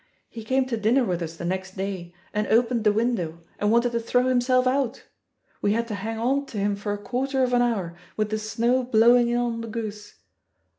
He came to dinner with us the next day and opened the window and wanted to throw himself out. We had to hang on to him for a quarter of an hour, with the snow blowmg in on the goose.